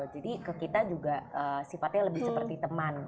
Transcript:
jadi ke kita juga sifatnya lebih seperti teman